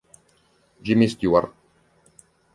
Jimmy Stewart